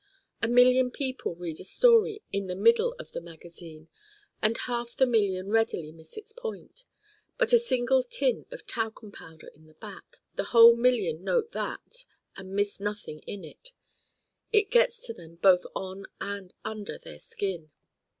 A million people read a story in the middle of the magazine and half the million readily miss its point. But a single tin of Talcum Powder in the Back the whole million note that and miss nothing in it: it gets to them both on and under their skin.